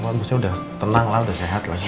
maksudnya udah tenang udah sehat lagi ya